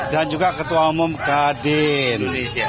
dan juga ketua umum kadin